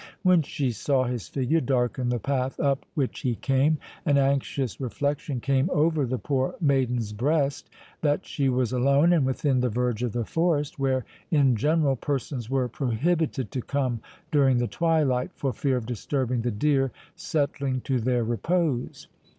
When she saw his figure darken the path up which he came, an anxious reflection came over the poor maiden's breast, that she was alone, and within the verge of the forest, where in general persons were prohibited to come during the twilight, for fear of disturbing the deer settling to their repose.